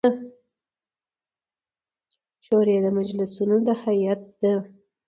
شوري د مجلسـینو د هیئـت د